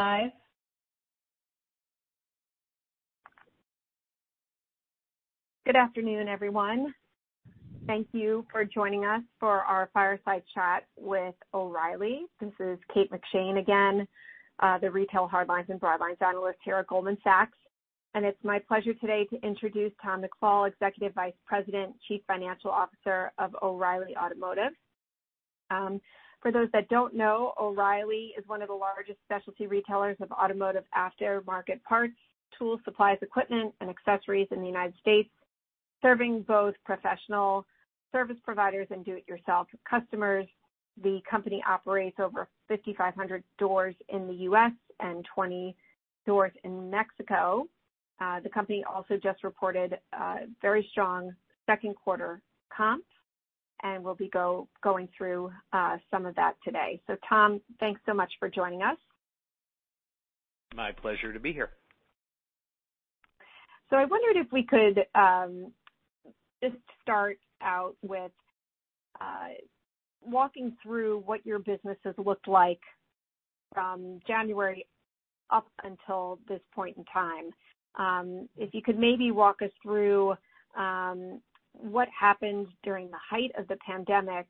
Good afternoon, everyone. Thank you for joining us for our fireside chat with O'Reilly. This is Kate McShane again, the Retail Hardlines and Broadlines Analyst here at Goldman Sachs. It's my pleasure today to introduce Tom McFall, Executive Vice President, Chief Financial Officer of O'Reilly Automotive. For those that don't know, O'Reilly is one of the largest specialty retailers of automotive aftermarket parts, tools, supplies, equipment, and accessories in the United States, serving both professional service providers and Do-It-Yourself customers. The company operates over 5,500 doors in the U.S. and 20 doors in Mexico. The company also just reported a very strong second quarter comp and will be going through some of that today. Tom, thanks so much for joining us. My pleasure to be here. I wondered if we could just start out with walking through what your business has looked like from January up until this point in time. If you could maybe walk us through what happened during the height of the pandemic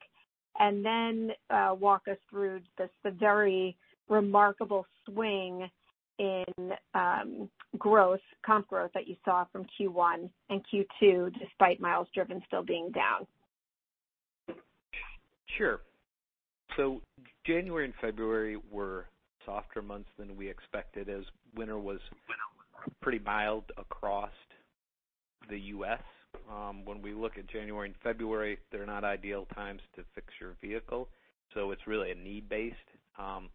and then walk us through the very remarkable swing in growth, comp growth that you saw from Q1 and Q2, despite miles driven still being down. Sure. January and February were softer months than we expected as winter was pretty mild across the U.S. When we look at January and February, they're not ideal times to fix your vehicle. It's really a need-based time.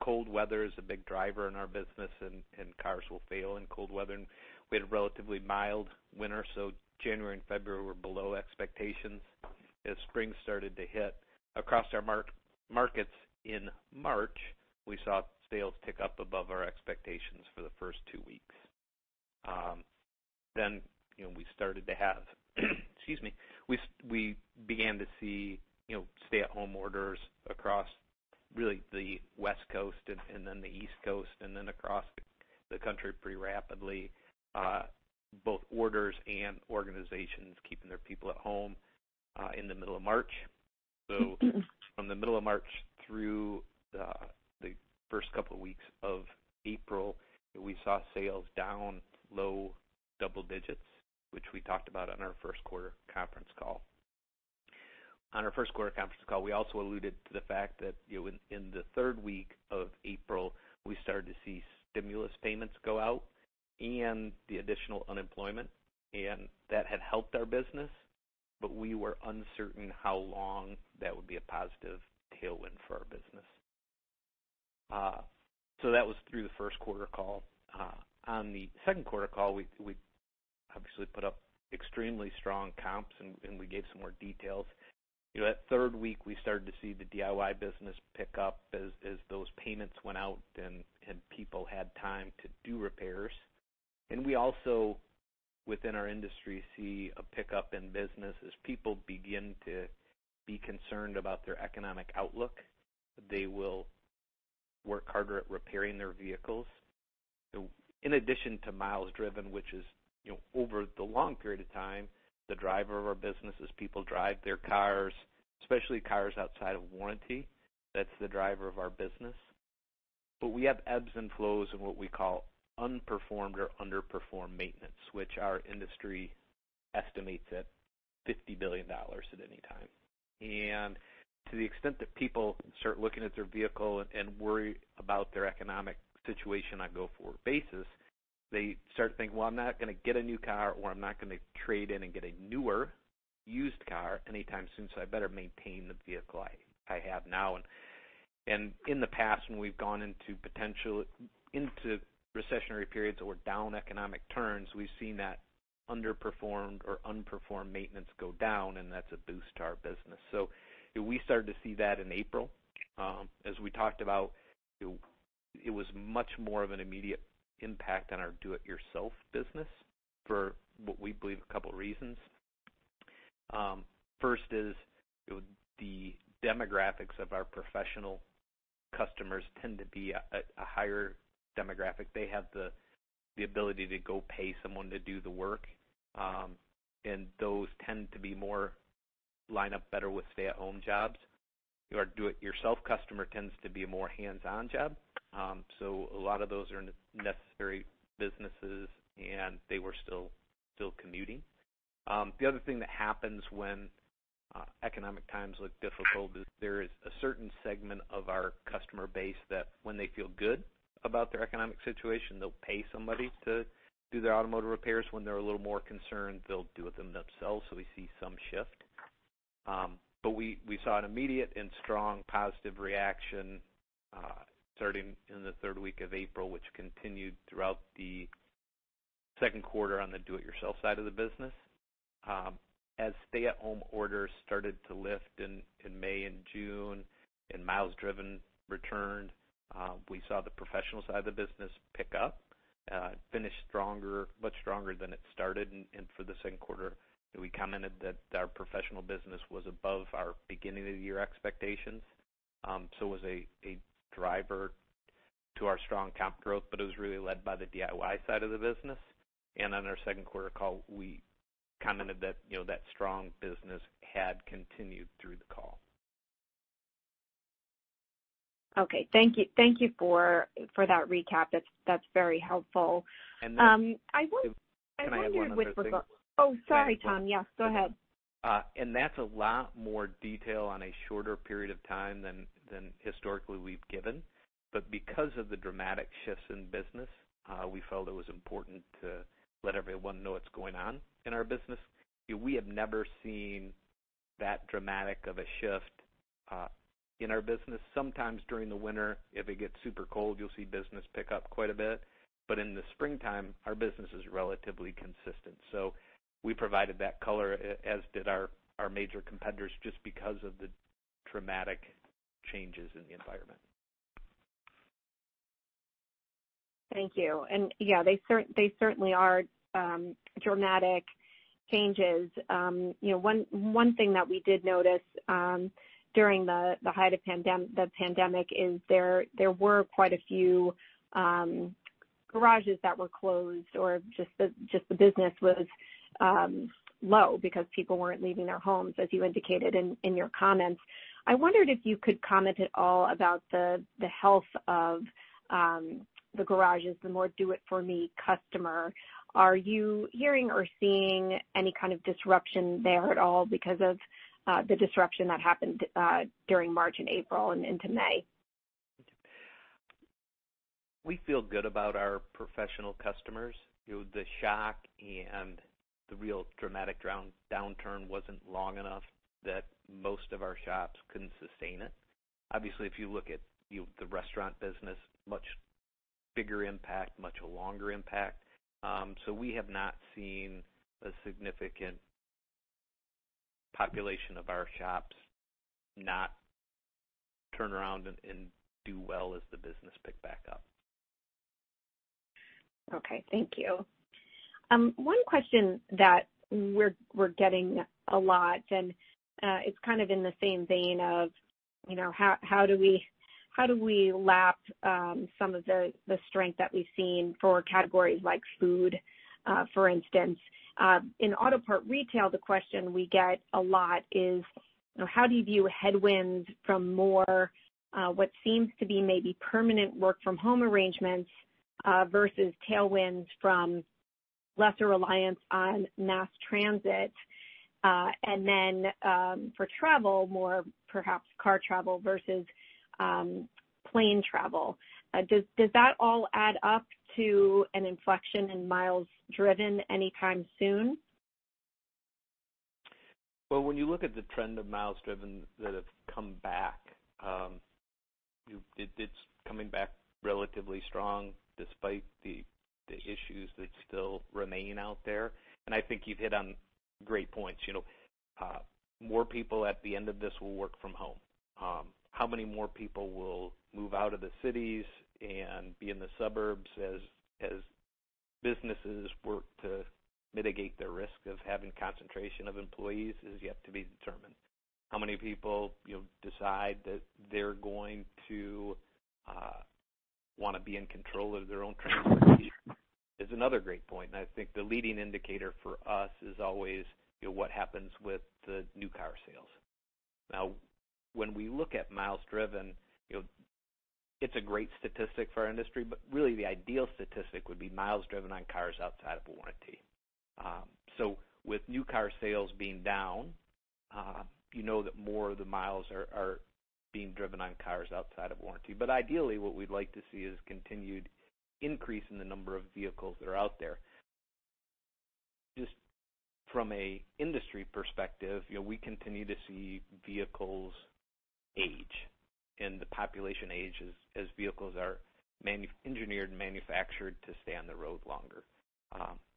Cold weather is a big driver in our business and cars will fail in cold weather. We had a relatively mild winter, so January and February were below expectations. As spring started to hit across our markets in March, we saw sales tick up above our expectations for the first two weeks. We began to see stay-at-home orders across really the West Coast and then the East Coast and then across the country pretty rapidly, both orders and organizations keeping their people at home in the middle of March. From the middle of March through the first couple of weeks of April, we saw sales down low double digits, which we talked about on our first quarter conference call. On our first quarter conference call, we also alluded to the fact that in the third week of April, we started to see stimulus payments go out and the additional unemployment, and that had helped our business, but we were uncertain how long that would be a positive tailwind for our business. That was through the first quarter call. On the second quarter call, we obviously put up extremely strong comps and we gave some more details. That third week, we started to see the DIY business pick up as those payments went out and people had time to do repairs. We also, within our industry, see a pickup in business as people begin to be concerned about their economic outlook. They will work harder at repairing their vehicles. In addition to miles driven, which is, over the long period of time, the driver of our business is people drive their cars, especially cars outside of warranty. That's the driver of our business. We have ebbs and flows in what we call unperformed or underperformed maintenance, which our industry estimates at $50 billion at any time. To the extent that people start looking at their vehicle and worry about their economic situation on a go-forward basis, they start thinking, I'm not going to get a new car or I'm not going to trade in and get a newer used car anytime soon, so I better maintain the vehicle I have now. In the past, when we've gone into potential recessionary periods or down economic turns, we've seen that underperformed or unperformed maintenance go down, and that's a boost to our business. We started to see that in April. As we talked about, it was much more of an immediate impact on our Do-It-Yourself business for what we believe are a couple of reasons. First is the demographics of our professional customers tend to be a higher demographic. They have the ability to go pay someone to do the work, and those tend to line up better with stay-at-home jobs. Our Do-It-Yourself customer tends to be a more hands-on job. A lot of those are necessary businesses, and they were still commuting. Another thing that happens when economic times look difficult is there is a certain segment of our customer base that, when they feel good about their economic situation, they'll pay somebody to do their automotive repairs. When they're a little more concerned, they'll do it themselves. We see some shift. We saw an immediate and strong positive reaction starting in the third week of April, which continued throughout the second quarter on the Do-It-Yourself side of the business. As stay-at-home orders started to lift in May and June and miles driven returned, we saw the professional side of the business pick up and finish much stronger than it started. For the second quarter, we commented that our professional business was above our beginning-of-the-year expectations. It was a driver to our strong comp growth, but it was really led by the DIY side of the business. On our second quarter call, we commented that strong business had continued through the call. Okay. Thank you. Thank you for that recap. That's very helpful. I want to. Can I add one other thing? Oh, sorry, Tom. Yes, go ahead. That is a lot more detail on a shorter period of time than historically we've given. Because of the dramatic shifts in business, we felt it was important to let everyone know what's going on in our business. We have never seen that dramatic of a shift in our business. Sometimes during the winter, if it gets super cold, you'll see business pick up quite a bit. In the springtime, our business is relatively consistent. We provided that color, as did our major competitors, just because of the dramatic changes in the environment. Thank you. Yes, they certainly are dramatic changes. One thing that we did notice during the height of the pandemic is there were quite a few garages that were closed or just the business was low because people weren't leaving their homes, as you indicated in your comments. I wondered if you could comment at all about the health of the garages, the more do-it-for-me customer. Are you hearing or seeing any kind of disruption there at all because of the disruption that happened during March and April and into May? We feel good about our professional customers. The shock and the real dramatic downturn wasn't long enough that most of our shops couldn't sustain it. Obviously, if you look at the restaurant business, much bigger impact, much longer impact. We have not seen a significant population of our shops not turn around and do well as the business picked back up. Okay. Thank you. One question that we're getting a lot, and it's kind of in the same vein of, you know, how do we lap some of the strength that we've seen for categories like food, for instance? In auto parts retail, the question we get a lot is, you know, how do you view headwinds from more what seems to be maybe permanent work-from-home arrangements versus tailwinds from lesser reliance on mass transit? For travel, more perhaps car travel versus plane travel. Does that all add up to an inflection in miles driven anytime soon? When you look at the trend of miles driven that have come back, it's coming back relatively strong despite the issues that still remain out there. I think you've hit on great points. You know, more people at the end of this will work from home. How many more people will move out of the cities and be in the suburbs as businesses work to mitigate their risk of having concentration of employees is yet to be determined. How many people decide that they're going to want to be in control of their own travel is another great point. I think the leading indicator for us is always what happens with the new car sales. Now, when we look at miles driven, it's a great statistic for our industry, but really the ideal statistic would be miles driven on cars outside of warranty. With new car sales being down, you know that more of the miles are being driven on cars outside of warranty. Ideally, what we'd like to see is a continued increase in the number of vehicles that are out there. Just from an industry perspective, we continue to see vehicles age and the population age as vehicles are engineered and manufactured to stay on the road longer.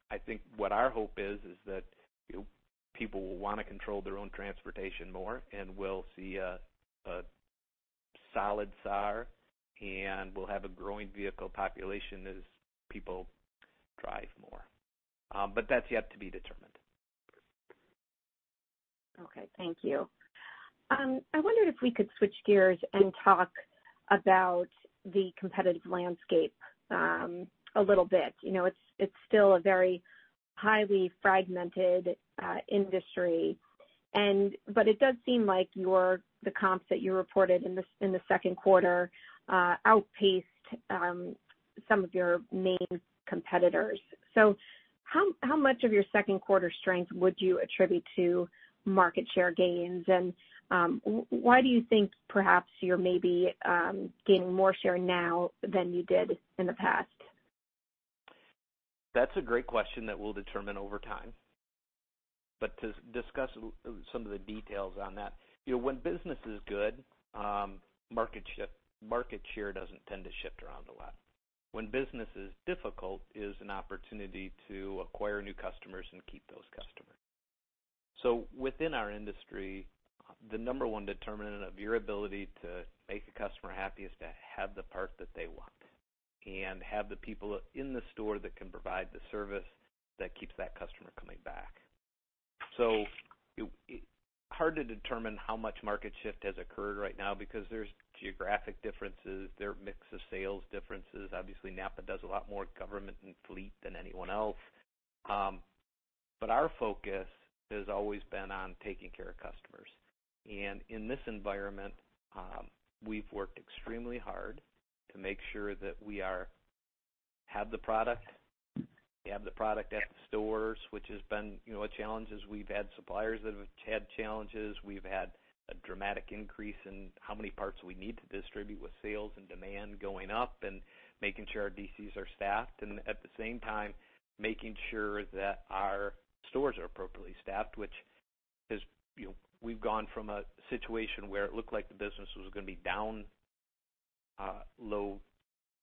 I think what our hope is, is that people will want to control their own transportation more and we'll see a solid SAR and we'll have a growing vehicle population as people drive more. That's yet to be determined. Okay. Thank you. I wondered if we could switch gears and talk about the competitive landscape a little bit. You know, it's still a very highly fragmented industry, but it does seem like the comps that you reported in the second quarter outpaced some of your main competitors. How much of your second quarter strength would you attribute to market share gains? Why do you think perhaps you're maybe gaining more share now than you did in the past? That's a great question that we'll determine over time. To discuss some of the details on that, you know, when business is good, market share doesn't tend to shift around a lot. When business is difficult, it is an opportunity to acquire new customers and keep those customers. Within our industry, the number one determinant of your ability to make a customer happy is to have the part that they want and have the people in the store that can provide the service that keeps that customer coming back. It's hard to determine how much market shift has occurred right now because there's geographic differences, there are mixed sales differences. Obviously, NAPA does a lot more government and fleet than anyone else. Our focus has always been on taking care of customers. In this environment, we've worked extremely hard to make sure that we have the product, we have the product at stores, which has been a challenge. We've had suppliers that have had challenges. We've had a dramatic increase in how many parts we need to distribute with sales and demand going up and making sure our D.C.s are staffed and at the same time making sure that our stores are appropriately staffed, which is, you know, we've gone from a situation where it looked like the business was going to be down low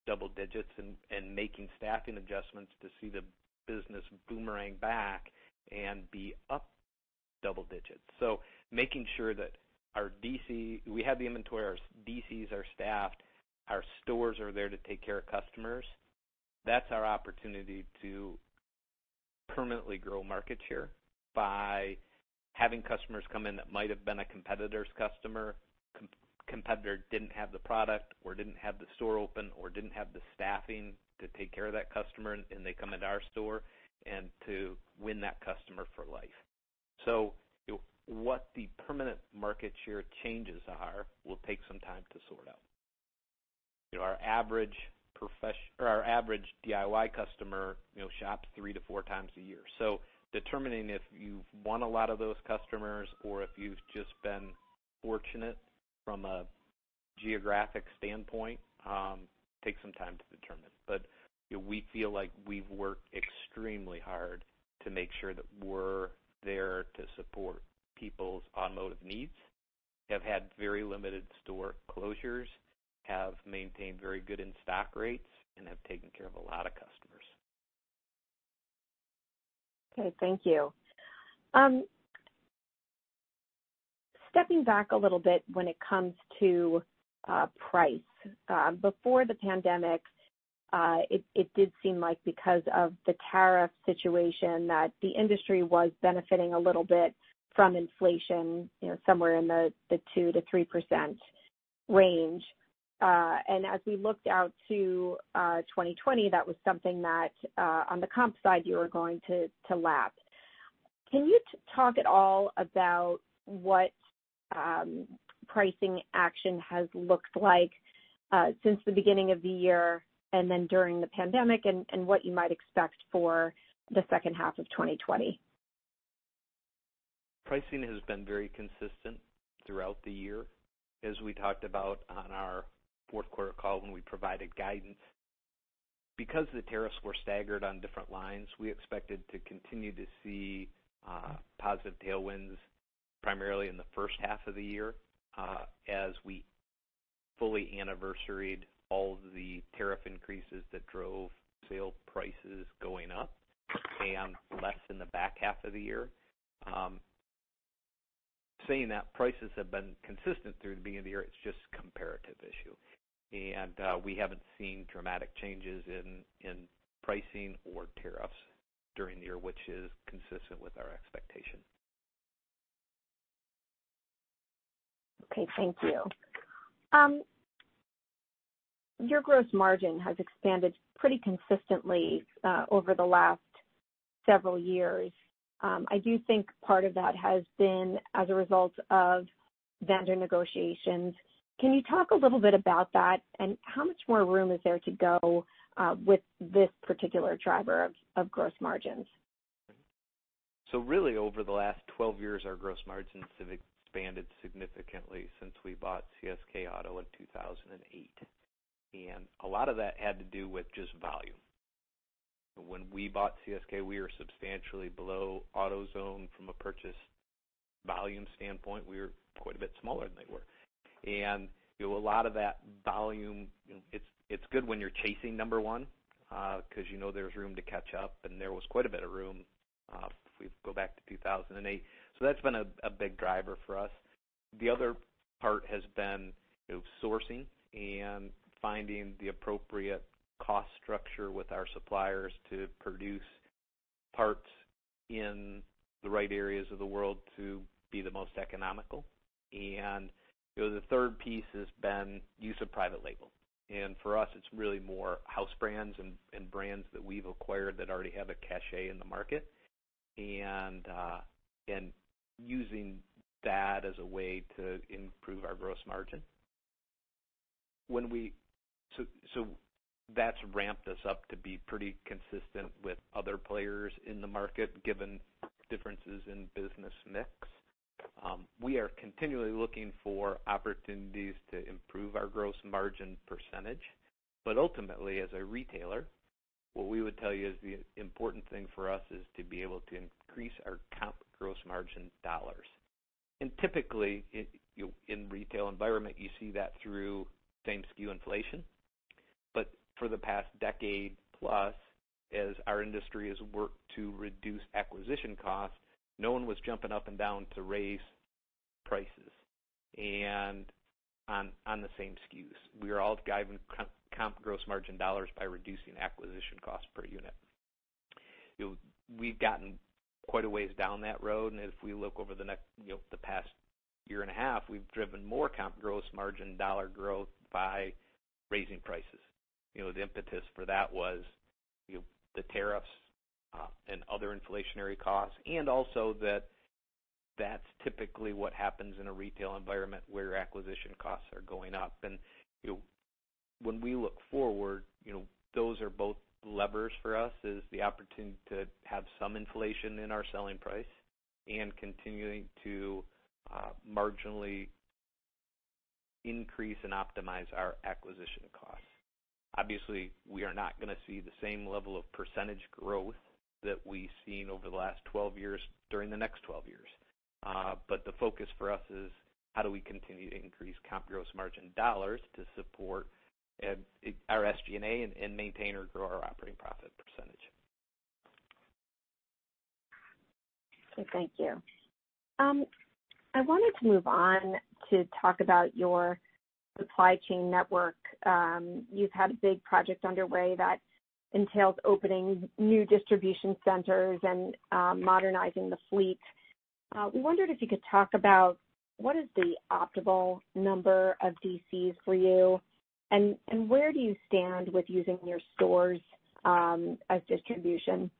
double digits and making staffing adjustments to see the business boomerang back and be up double digits. Making sure that our D.C., we have the inventory, our D.C.s are staffed, our stores are there to take care of customers. That's our opportunity to permanently grow market share by having customers come in that might have been a competitor's customer, a competitor didn't have the product or didn't have the store open or didn't have the staffing to take care of that customer, and they come into our store and to win that customer for life. What the permanent market share changes are will take some time to sort out. Our average DIY customer shops three to four times a year. Determining if you've won a lot of those customers or if you've just been fortunate from a geographic standpoint takes some time to determine. We feel like we've worked extremely hard to make sure that we're there to support people's automotive needs, have had very limited store closures, have maintained very good in-stock rates, and have taken care of a lot of customers. Okay. Thank you. Stepping back a little bit when it comes to price, before the pandemic, it did seem like because of the tariff situation that the industry was benefiting a little bit from inflation, you know, somewhere in the 2%-3% range. As we looked out to 2020, that was something that on the comp side you were going to lap. Can you talk at all about what pricing action has looked like since the beginning of the year and then during the pandemic and what you might expect for the second half of 2020? Pricing has been very consistent throughout the year, as we talked about on our fourth quarter call when we provided guidance. Because the tariffs were staggered on different lines, we expected to continue to see positive tailwinds primarily in the first half of the year as we fully anniversaried all of the tariff increases that drove sale prices going up and less in the back half of the year. Prices have been consistent through the beginning of the year, it's just a comparative issue. We haven't seen dramatic changes in pricing or tariffs during the year, which is consistent with our expectation. Okay. Thank you. Your gross margin has expanded pretty consistently over the last several years. I do think part of that has been as a result of vendor negotiations. Can you talk a little bit about that and how much more room is there to go with this particular driver of gross margins? Over the last 12 years, our gross margins have expanded significantly since we bought CSK Auto in 2008. A lot of that had to do with just volume. When we bought CSK, we were substantially below AutoZone from a purchase volume standpoint. We were quite a bit smaller than they were. A lot of that volume, it's good when you're chasing number one because you know there's room to catch up. There was quite a bit of room if we go back to 2008. That's been a big driver for us. The other part has been sourcing and finding the appropriate cost structure with our suppliers to produce parts in the right areas of the world to be the most economical. The third piece has been use of private label. For us, it's really more house brands and brands that we've acquired that already have a cache in the market and using that as a way to improve our gross margin. That's ramped us up to be pretty consistent with other players in the market given differences in business mix. We are continually looking for opportunities to improve our gross margin percentage. Ultimately, as a retailer, what we would tell you is the important thing for us is to be able to increase our comp gross margin dollars. Typically, in a retail environment, you see that through same-skew inflation. For the past decade plus, as our industry has worked to reduce acquisition costs, no one was jumping up and down to raise prices. On the same skews, we are all driving comp gross margin dollars by reducing acquisition costs per unit. We've gotten quite a ways down that road. If we look over the past year and a half, we've driven more comp gross margin dollar growth by raising prices. The impetus for that was the tariffs and other inflationary costs. Also, that's typically what happens in a retail environment where acquisition costs are going up. When we look forward, those are both levers for us, the opportunity to have some inflation in our selling price and continuing to marginally increase and optimize our acquisition costs. Obviously, we are not going to see the same level of percentage growth that we've seen over the last 12 years during the next 12 years. The focus for us is how do we continue to increase comp gross margin dollars to support our SG&A and maintain or grow our operating profit percentage. Okay. Thank you. I wanted to move on to talk about your supply chain network. You've had a big project underway that entails opening new distribution centers and modernizing the fleet. We wondered if you could talk about what is the optimal number of D.C.s for you, and where do you stand with using your stores as distribution?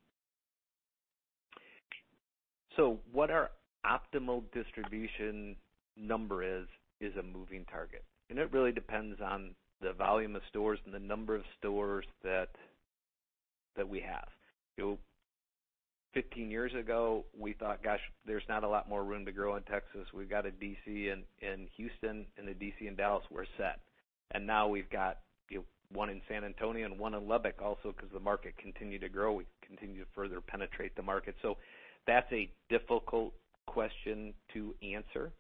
What our optimal distribution number is, is a moving target. It really depends on the volume of stores and the number of stores that we have. Fifteen years ago, we thought, gosh, there's not a lot more room to grow in Texas. We've got a D.C. in Houston and a D.C. in Dallas, we're set. Now we've got one in San Antonio and one in Lubbock also because the market continued to grow. We continue to further penetrate the market. That's a difficult question to answer.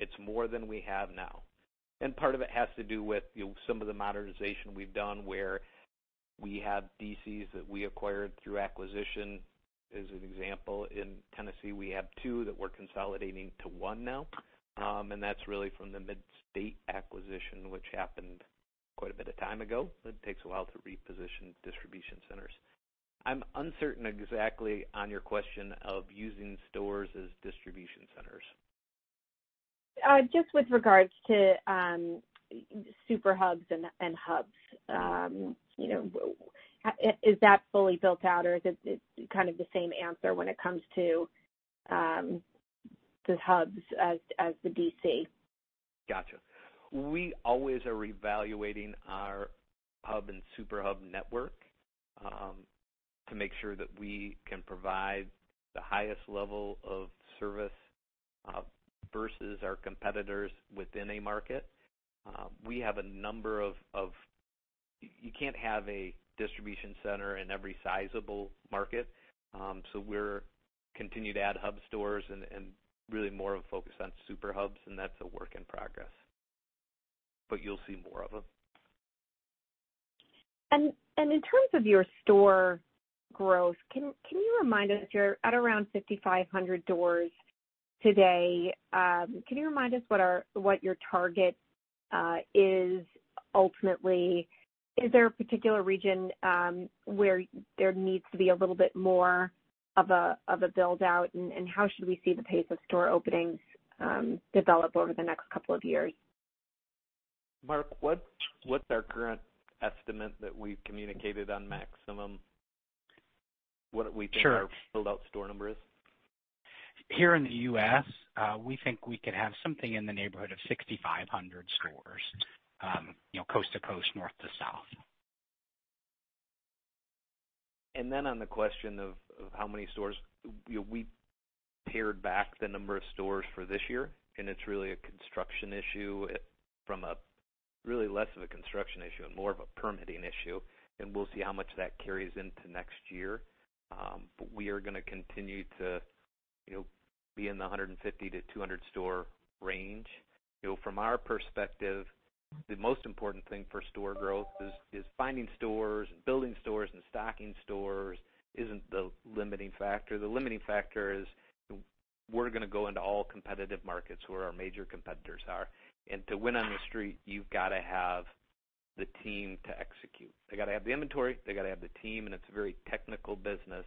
It's more than we have now. Part of it has to do with some of the modernization we've done where we have D.C.s that we acquired through acquisition. As an example, in Tennessee, we have two that we're consolidating to one now. That's really from the mid-state acquisition, which happened quite a bit of time ago. It takes a while to reposition distribution centers. I'm uncertain exactly on your question of using stores as distribution centers. Just with regards to super hubs and hubs, is that fully built out, or is it kind of the same answer when it comes to the hubs as the D.C.? Gotcha. We always are evaluating our hub and super hub network to make sure that we can provide the highest level of service versus our competitors within a market. We have a number of, you can't have a distribution center in every sizable market. We're continuing to add hub stores and really more of a focus on super hubs, and that's a work in progress. You'll see more of them. In terms of your store growth, can you remind us, you're at around 5,500 doors today. Can you remind us what your target is ultimately? Is there a particular region where there needs to be a little bit more of a build-out, and how should we see the pace of store openings develop over the next couple of years? Mark, what's our current estimate that we've communicated on maximum? What do we think our build-out store number is? Here in the U.S., we think we could have something in the neighborhood of 6,500 stores, you know, coast to coast, north to south. On the question of how many stores, we pared back the number of stores for this year, and it's really less of a construction issue and more of a permitting issue. We'll see how much that carries into next year. We are going to continue to be in the 150-200 store range. From our perspective, the most important thing for store growth is finding stores, building stores, and stocking stores isn't the limiting factor. The limiting factor is we are going to go into all competitive markets where our major competitors are. To win on the street, you've got to have the team to execute. They got to have the inventory, they got to have the team, and it's a very technical business.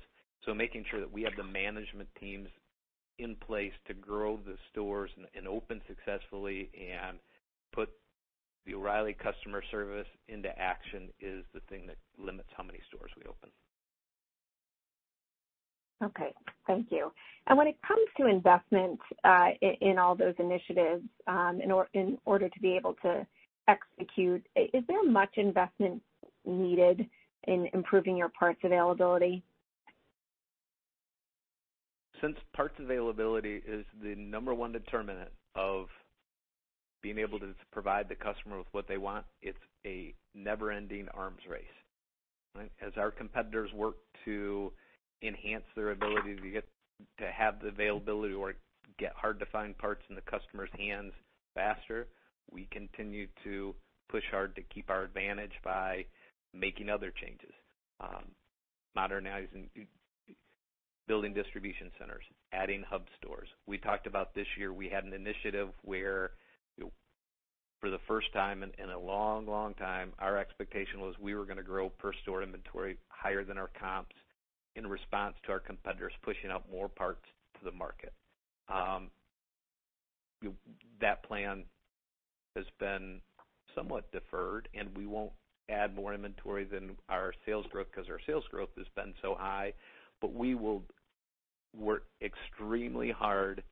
Making sure that we have the management teams in place to grow the stores and open successfully and put the O'Reilly customer service into action is the thing that limits how many stores we open. Okay. Thank you. When it comes to investment in all those initiatives in order to be able to execute, is there much investment needed in improving your parts availability? Since parts availability is the number one determinant of being able to provide the customer with what they want, it's a never-ending arms race. As our competitors work to enhance their ability to have the availability or get hard-to-find parts in the customer's hands faster, we continue to push hard to keep our advantage by making other changes, modernizing, building distribution centers, adding hub stores. This year, we had an initiative where, for the first time in a long, long time, our expectation was we were going to grow per store inventory higher than our comps in response to our competitors pushing out more parts to the market. That plan has been somewhat deferred, and we won't add more inventory than our sales growth because our sales growth has been so high. We will work extremely hard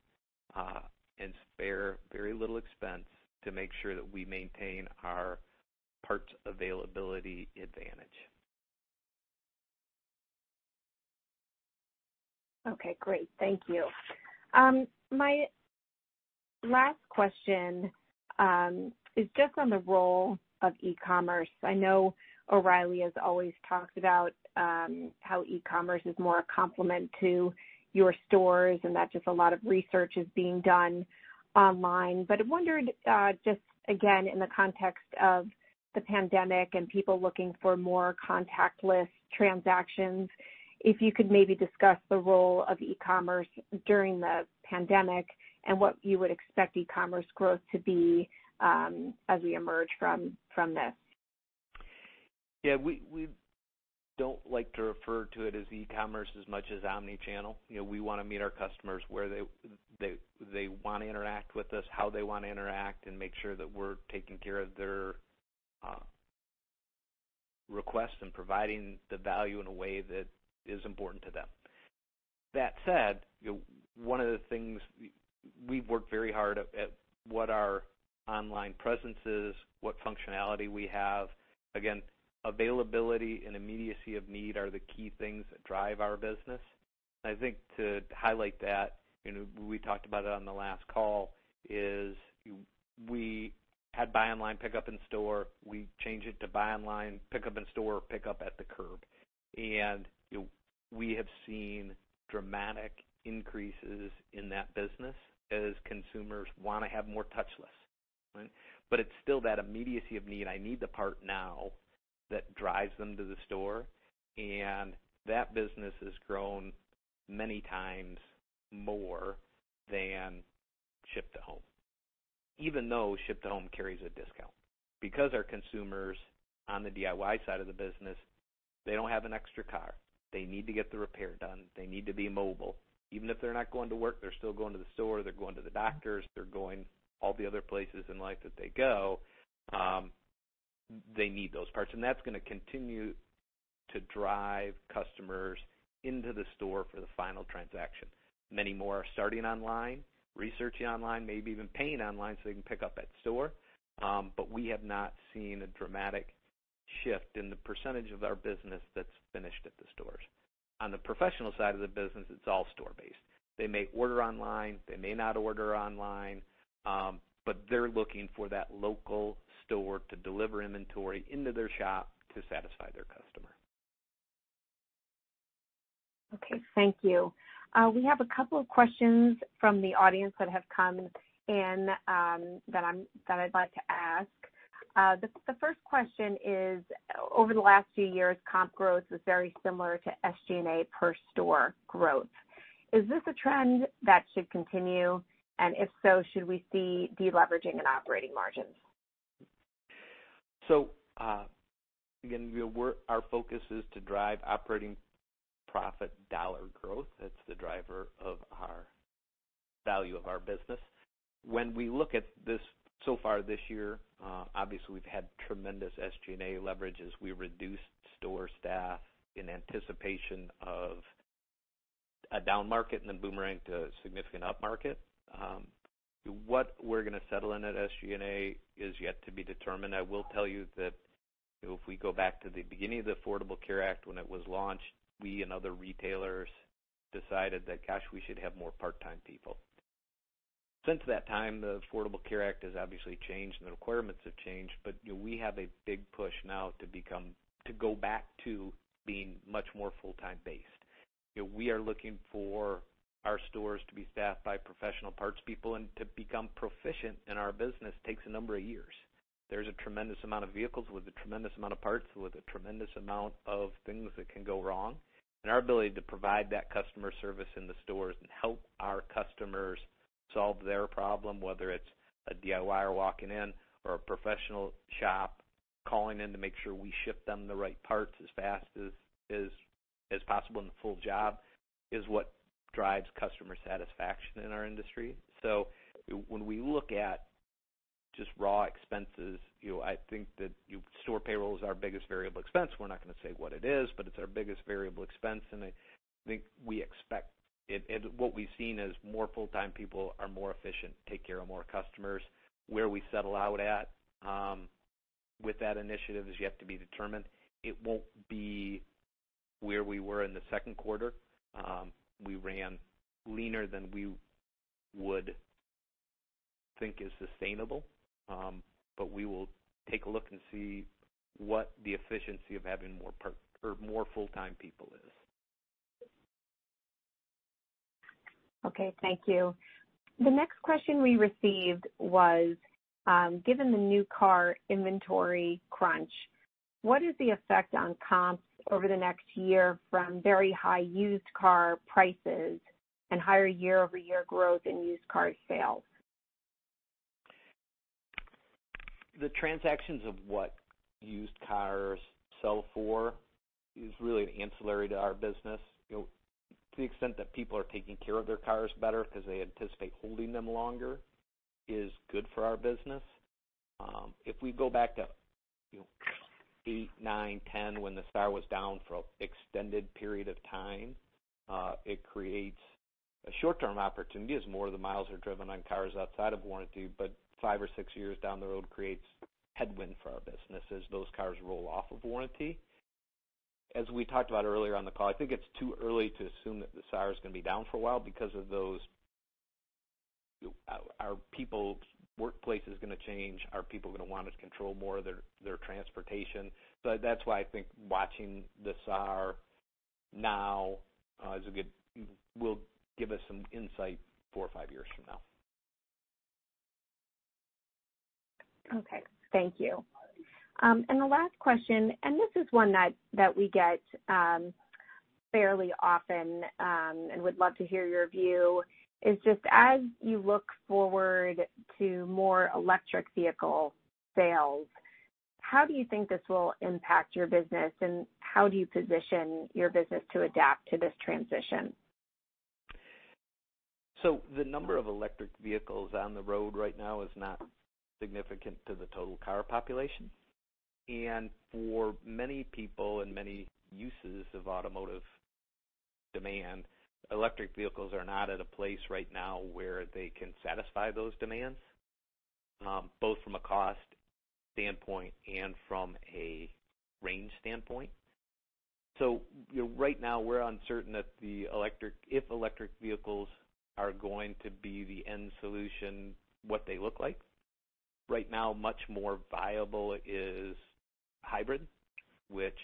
and spare very little expense to make sure that we maintain our parts availability advantage. Okay. Great. Thank you. My last question is just on the role of e-commerce. I know O'Reilly has always talked about how e-commerce is more a complement to your stores and that just a lot of research is being done online. I wondered just again in the context of the pandemic and people looking for more contactless transactions, if you could maybe discuss the role of e-commerce during the pandemic and what you would expect e-commerce growth to be as we emerge from this. Yeah. We don't like to refer to it as e-commerce as much as omnichannel. We want to meet our customers where they want to interact with us, how they want to interact, and make sure that we're taking care of their requests and providing the value in a way that is important to them. That said, one of the things we've worked very hard at is what our online presence is, what functionality we have. Availability and immediacy of need are the key things that drive our business. I think to highlight that, we talked about it on the last call, we had buy online, pick up in store. We changed it to buy online, pick up in store, pick up at the curb. We have seen dramatic increases in that business as consumers want to have more touchless options, right? It's still that immediacy of need. I need the part now that drives them to the store. That business has grown many times more than ship to home, even though ship to home carries a discount. Our consumers on the DIY side of the business, they don't have an extra car. They need to get the repair done. They need to be mobile. Even if they're not going to work, they're still going to the store, they're going to the doctors, they're going all the other places in life that they go. They need those parts. That's going to continue to drive customers into the store for the final transaction. Many more are starting online, researching online, maybe even paying online so they can pick up at store. We have not seen a dramatic shift in the percentage of our business that's finished at the stores. On the professional side of the business, it's all store-based. They may order online, they may not order online, but they're looking for that local store to deliver inventory into their shop to satisfy their customer. Okay. Thank you. We have a couple of questions from the audience that have come in that I'd like to ask. The first question is, over the last few years, comp growth was very similar to SG&A per store growth. Is this a trend that should continue? If so, should we see deleveraging in operating margins? Our focus is to drive operating profit dollar growth. That's the driver of our value of our business. When we look at this so far this year, obviously, we've had tremendous SG&A leverages. We reduced store staff in anticipation of a down market and then boomerang to a significant up market. What we're going to settle in at SG&A is yet to be determined. I will tell you that if we go back to the beginning of the Affordable Care Act when it was launched, we and other retailers decided that, gosh, we should have more part-time people. Since that time, the Affordable Care Act has obviously changed and the requirements have changed, but we have a big push now to go back to being much more full-time based. We are looking for our stores to be staffed by professional parts people, and to become proficient in our business takes a number of years. There's a tremendous amount of vehicles with a tremendous amount of parts with a tremendous amount of things that can go wrong. Our ability to provide that customer service in the stores and help our customers solve their problem, whether it's a DIY walking in or a professional shop calling in to make sure we ship them the right parts as fast as possible in the full job, is what drives customer satisfaction in our industry. When we look at just raw expenses, I think that store payroll is our biggest variable expense. We're not going to say what it is, but it's our biggest variable expense. I think we expect what we've seen is more full-time people are more efficient, take care of more customers. Where we settle out at with that initiative is yet to be determined. It won't be where we were in the second quarter. We ran leaner than we would think is sustainable. We will take a look and see what the efficiency of having more full-time people is. Okay. Thank you. The next question we received was, given the new car inventory crunch, what is the effect on comps over the next year from very high used car prices and higher year-over-year growth in used car sales? The transactions of what used cars sell for is really an ancillary to our business. To the extent that people are taking care of their cars better because they anticipate holding them longer is good for our business. If we go back to, you know, 2008, 2009, 2010 when the SAR was down for an extended period of time, it creates a short-term opportunity as more of the miles are driven on cars outside of warranty. Five or six years down the road creates headwind for our business as those cars roll off of warranty. As we talked about earlier on the call, I think it's too early to assume that the SAR is going to be down for a while because of those. Are people's workplaces going to change? Are people going to want to control more of their transportation? That's why I think watching the SAR now will give us some insight four or five years from now. Okay. Thank you. The last question, and this is one that we get fairly often and would love to hear your view, is just as you look forward to more electric vehicle sales, how do you think this will impact your business and how do you position your business to adapt to this transition? The number of electric vehicles on the road right now is not significant to the total car population. For many people and many uses of automotive demand, electric vehicles are not at a place right now where they can satisfy those demands, both from a cost standpoint and from a range standpoint. Right now, we're uncertain if electric vehicles are going to be the end solution, what they look like. Much more viable is hybrid, which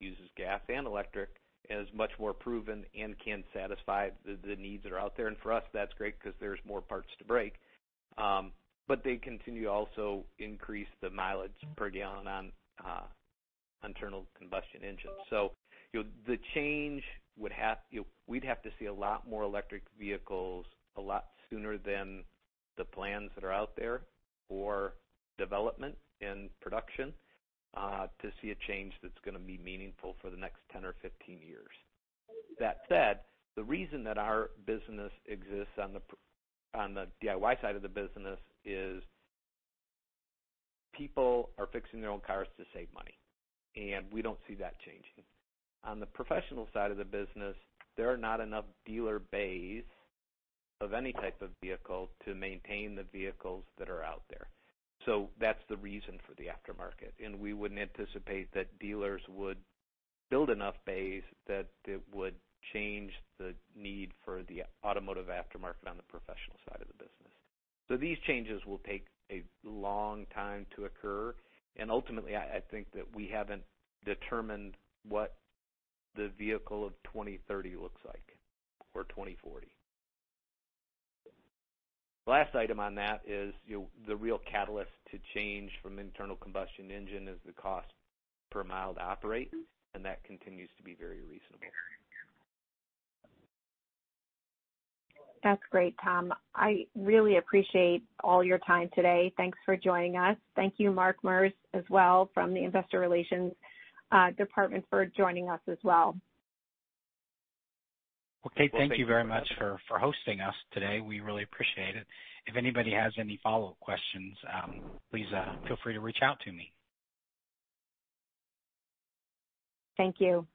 uses gas and electric and is much more proven and can satisfy the needs that are out there. For us, that's great because there's more parts to break. They continue to also increase the mileage per gallon on internal combustion engines. The change would have, we'd have to see a lot more electric vehicles a lot sooner than the plans that are out there for development and production to see a change that's going to be meaningful for the next 10 years or 15 years. That said, the reason that our business exists on the DIY side of the business is people are fixing their own cars to save money. We don't see that changing. On the professional side of the business, there are not enough dealer bays of any type of vehicle to maintain the vehicles that are out there. That's the reason for the aftermarket. We wouldn't anticipate that dealers would build enough bays that it would change the need for the automotive aftermarket on the professional side of the business. These changes will take a long time to occur. Ultimately, I think that we haven't determined what the vehicle of 2030 looks like or 2040. Last item on that is the real catalyst to change from internal combustion engine is the cost per mile to operate. That continues to be very reasonable. That's great, Tom. I really appreciate all your time today. Thanks for joining us. Thank you, Mark Merz, as well from the Investor Relations Department for joining us as well. Okay. Thank you very much for hosting us today. We really appreciate it. If anybody has any follow-up questions, please feel free to reach out to me. Thank you.